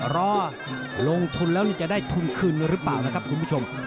รอลงทุนแล้วจะได้ทุนคืนหรือเปล่านะครับคุณผู้ชม